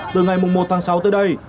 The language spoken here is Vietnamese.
từ ngày một tháng sáu tới đây